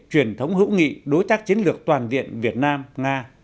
cũng hữu nghị đối tác chiến lược toàn diện việt nam nga